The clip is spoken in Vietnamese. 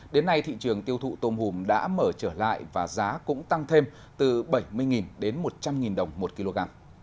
đến nay thị trường tiêu thụ tôm hùm đã mở trở lại và giá cũng tăng thêm từ bảy mươi đến một trăm linh đồng một kg